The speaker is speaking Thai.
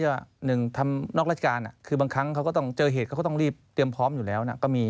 หนึ่งทำนอกราชการคือบางครั้งเขาก็ต้องเจอเหตุเขาก็ต้องรีบเตรียมพร้อมอยู่แล้วก็มี